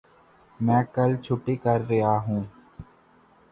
میں کل چھٹی کر ریا ہوں